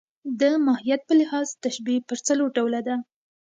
د ماهیت په لحاظ تشبیه پر څلور ډوله ده.